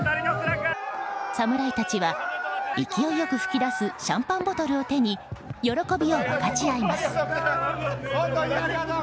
侍たちは勢いよく噴き出すシャンパンボトルを手に喜びを分かち合います。